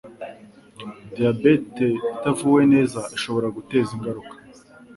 Diyabete itavuwe neza ishobora guteza ingaruka